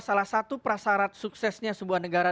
salah satu prasarat suksesnya sebuah negara